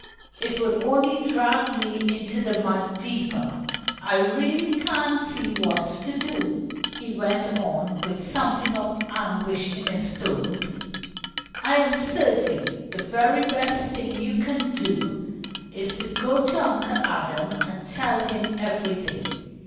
It would only drag me into the mud deeper. I really can't see what's to do," he went on with something of anguish in his tones. "I am certain the very best thing you can do is to go to Uncle Adam and tell him everything.